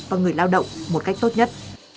và người lao động một cách tốt nhất